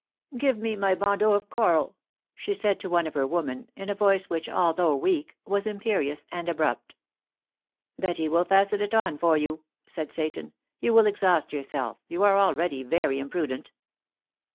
"Give me my bandeau of coral," she said to one of her women, in a voice which, although weak, was imperious and abrupt. "Betty will fasten it on for you," said Seyton; "you will exhaust yourself; you are already very imprudent."